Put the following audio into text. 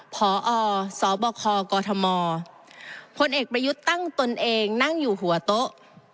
พอสบคกมพลเอกประยุทธ์ตั้งตนเองนั่งอยู่หัวโต๊ะ